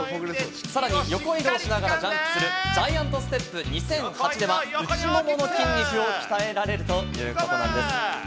さらに横移動しながらジャンプをするジャイアントステップ２００８では内腿の筋肉を鍛えられるということなんです。